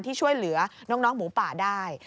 ที่ช่วยเหลือน้องหมูป่าได้